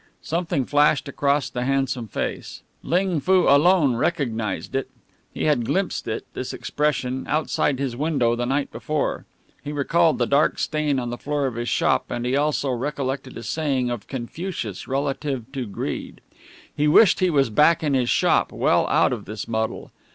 Something flashed across the handsome face. Ling Foo alone recognized it. He had glimpsed it, this expression, outside his window the night before. He recalled the dark stain on the floor of his shop, and he also recollected a saying of Confucius relative to greed. He wished he was back in his shop, well out of this muddle.